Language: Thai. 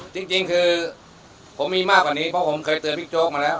จริงคือผมมีมากกว่านี้เพราะผมเคยเตือนบิ๊กโจ๊กมาแล้ว